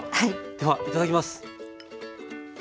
ではいただきます。